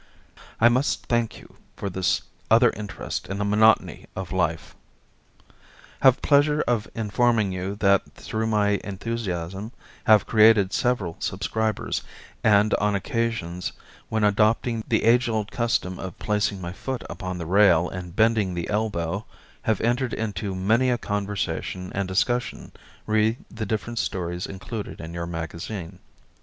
I must thank you for this other interest in the monotony of life. Have pleasure of informing you that through my enthusiasm have created several subscribers, and on occasions when adopting the age old custom of placing my foot upon the rail and bending the elbow, have entered into many a conversation and discussion re the different stories included in your magazine.